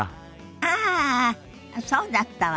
ああそうだったわね。